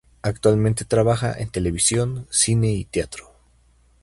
Actualmente trabaja en televisión, cine y teatro.